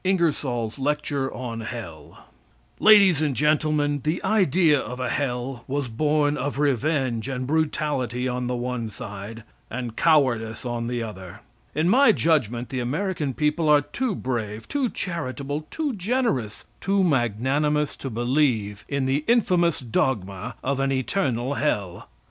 INGERSOLL'S LECTURE ON HELL Ladies and Gentlemen: The idea of a hell was born of revenge and brutality on the one side, and cowardice on the other. In my judgment the American people are too brave, too charitable, too generous, too magnanimous to believe in the infamous dogma of an eternal hell.